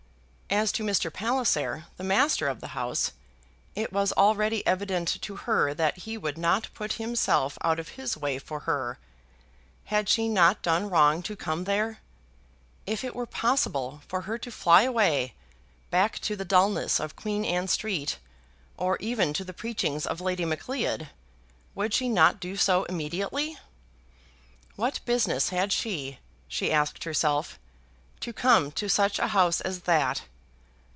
As to Mr. Palliser, the master of the house, it was already evident to her that he would not put himself out of his way for her. Had she not done wrong to come there? If it were possible for her to fly away, back to the dullness of Queen Anne Street, or even to the preachings of Lady Macleod, would she not do so immediately? What business had she, she asked herself, to come to such a house as that?